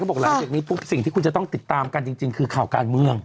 บอกหลังจากนี้ปุ๊บสิ่งที่คุณจะต้องติดตามกันจริงคือข่าวการเมือง